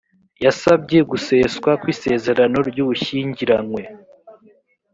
yasabye guseswa kw’isezerano ry’ubushyingiranywe